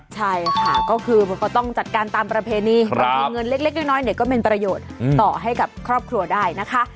ใช่ค่ะก็คือมันก็ต้องจัดการตามประเพณีบางทีเงินเล็กน้อยเนี่ยก็เป็นประโยชน์ต่อให้กับครอบครัวได้นะคะ